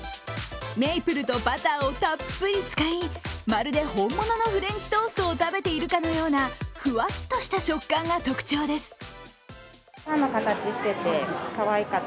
メイプルとバターをたっぷり使い、まるで本物のフレンチトーストを食べているかのようなふわっとした食感が特徴です。